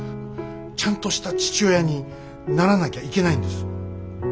ちゃんとした父親にならなきゃいけないんです。